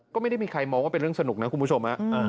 ก็ไม่ได้มีใครมองว่าเป็นเรื่องสนุกนะคุณผู้ชม